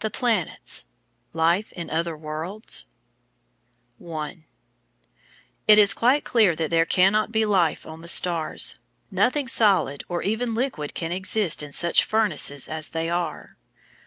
THE PLANETS LIFE IN OTHER WORLDS? § 1 It is quite clear that there cannot be life on the stars. Nothing solid or even liquid can exist in such furnaces as they are.